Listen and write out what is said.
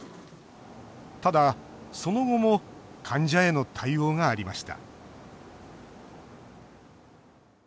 ただ、その後も患者への対応がありました